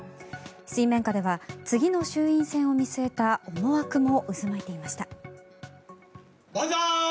水面下では次の衆院選を見据えた思惑も渦巻いていました。